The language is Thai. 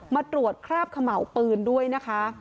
มาตรวจคราบเขม่าปืนด้วยนะคะ